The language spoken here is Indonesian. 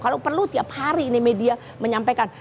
kalau perlu tiap hari ini media menyampaikan